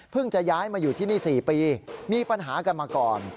จะย้ายมาอยู่ที่นี่๔ปีมีปัญหากันมาก่อน